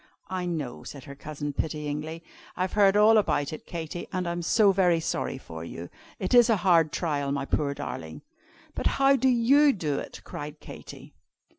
"I know," said her cousin, pityingly. "I've heard all about it, Katy, and I'm so very sorry for you! It is a hard trial, my poor darling." "But how do you do it?" cried Katy.